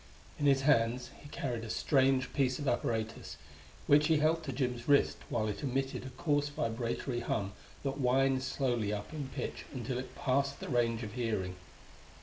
In his hands he carried a strange piece of apparatus which he held to Jim's wrist while it emitted a coarse vibratory hum that whined slowly up in pitch until it passed the range of hearing.